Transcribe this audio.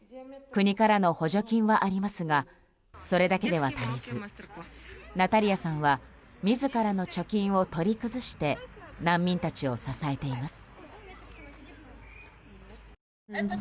国からの補助金はありますがそれだけでは足りずナタリアさんは自らの貯金を取り崩して難民たちを支えています。